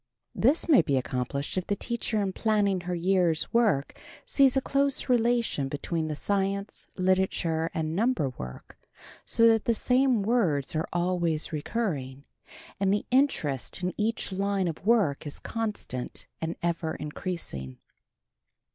This may be accomplished if the teacher in planning her year's work, sees a close relation between the science, literature, and number work, so that the same words are always recurring, and the interest in each line of work is constant and ever increasing.